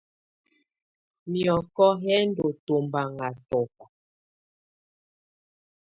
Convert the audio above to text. Miɔkɔ yɛ ndɔ tɔmbaŋa tɔbɔ.